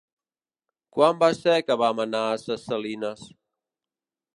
Quan va ser que vam anar a Ses Salines?